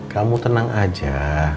kamu tenang aja